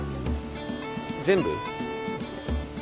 全部？